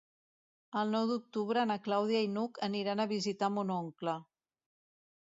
El nou d'octubre na Clàudia i n'Hug aniran a visitar mon oncle.